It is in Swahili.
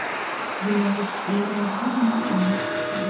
inayofanywa na Mamlaka ya Udhibiti wa Nishati na Petroli